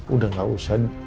udah nggak usah